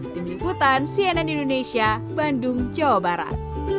tim liputan cnn indonesia bandung jawa barat